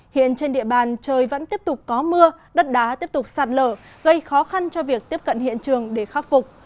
hiện trên địa bàn trời vẫn tiếp tục có mưa đất đá tiếp tục sạt lở gây khó khăn cho việc tiếp cận hiện trường để khắc phục